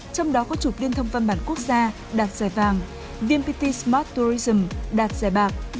trong đó có chụp liên thông văn bản quốc gia đạt giải vàng vnpt smart tourism đạt giải bạc